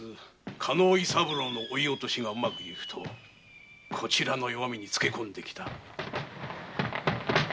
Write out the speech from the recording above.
加納伊三郎の追い落としがうまくゆくとこちらの弱味につけこんできた。